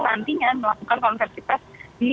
nantinya melakukan konversi tes di